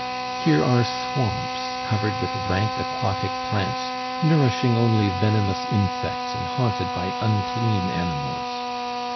Here are swamps covered with rank aquatic plants nourishing only venomous insects and haunted by unclean animals.